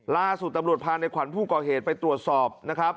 ล่าสุดตำรวจพาในขวัญผู้ก่อเหตุไปตรวจสอบนะครับ